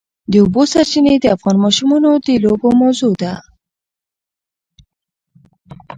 د اوبو سرچینې د افغان ماشومانو د لوبو موضوع ده.